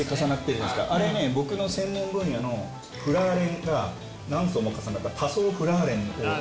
あれね僕の専門分野のフラーレンが何層も重なった多層フラーレンをほうふつさせて。